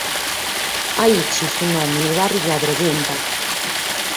Aici su nòmine paret una pregunta.